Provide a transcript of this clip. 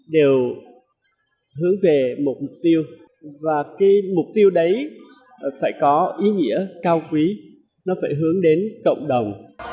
đều hướng về một mục tiêu và cái mục tiêu đấy phải có ý nghĩa cao quý nó phải hướng đến cộng đồng